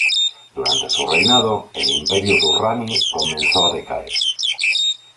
Durante su reinado, el Imperio durrani comenzó a decaer.